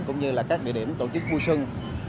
cũng như là các địa điểm tổ chức vui xuân